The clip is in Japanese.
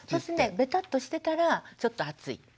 ベタッとしてたらちょっと暑い。